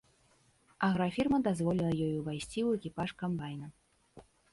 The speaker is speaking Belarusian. Аграфірма дазволіла ёй увайсці ў экіпаж камбайна.